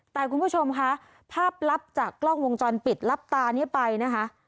แต่คุณผู้ชมค่ะภาพลับจากกล้องวงจรปิดรับตานี้ไปนะคะ